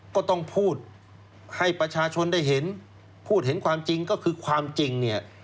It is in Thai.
ก็ต้องพูดให้ประชาชนได้เห็นพูดเห็นความจริงก็คือความจริงเนี่ย